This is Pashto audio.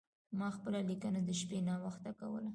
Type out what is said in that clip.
ما خپله لیکنه د شپې ناوخته کوله.